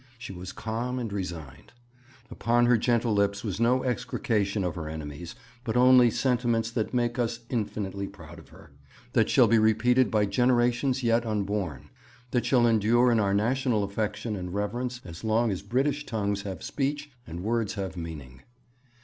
She was calm and resigned. Upon her gentle lips was no execration of her enemies, but only sentiments that make us infinitely proud of her, that shall be repeated by generations yet unborn, that shall endure in our national affection and reverence as long as British tongues have speech and words have meaning.